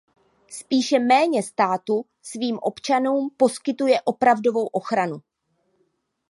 Spíše méně států svým občanům poskytuje opravdovou ochranu.